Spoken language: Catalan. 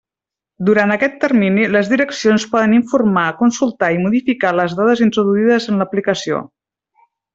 Durant aquest termini, les direccions poden informar, consultar i modificar les dades introduïdes en l'aplicació.